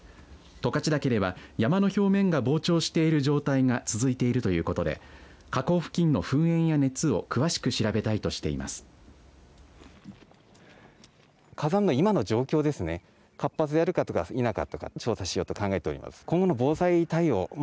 十勝岳では、山の表面が膨張している状態が続いているということで火口付近の噴煙や熱を詳しく調べたいとしています。